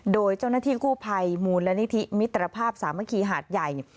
โดยเจ้าหน้าที่กู้ภัยมูลนิธิมิตรภาพสามัคคีหาดใหญ่